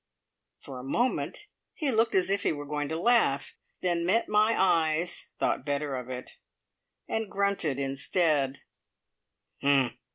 For a moment he looked as if he were going to laugh, then met my eyes, thought better of it, and grunted instead.